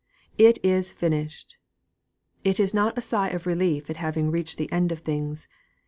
_' 'It is finished!' It is not a sigh of relief at having reached the end of things.